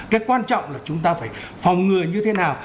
cái quan trọng là chúng ta phải phòng ngừa như thế nào